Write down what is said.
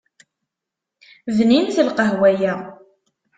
Bninet lqahwa-ya.